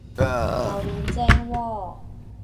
榴槤正喎！